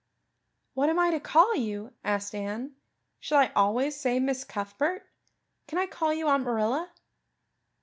"What am I to call you?" asked Anne. "Shall I always say Miss Cuthbert? Can I call you Aunt Marilla?"